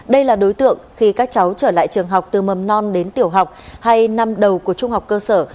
đây là đối tượng khi các cháu trở lại trường học từ mầm non đến tiểu học hay năm đầu của trung học cơ sở